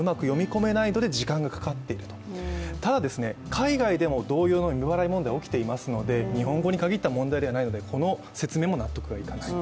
海外でも同様の未払い問題が起きていますので日本語に限った問題ではないのでこの説明も問題がいかない。